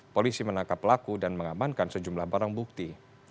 polisi menangkap pelaku dan mengamankan sejumlah barang bukti